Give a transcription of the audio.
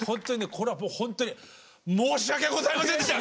これはもうほんとに申し訳ございませんでした。